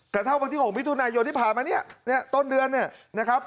กระทั่งวันที่๖มิถุนายนที่ผ่านมาเนี่ยต้นเดือนเนี่ยนะครับ